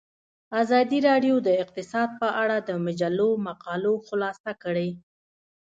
ازادي راډیو د اقتصاد په اړه د مجلو مقالو خلاصه کړې.